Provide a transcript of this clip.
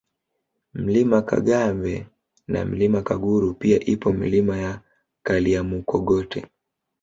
Mlima Kagambe na Mlima Kaguru pia ipo Milima ya Kalyamukogote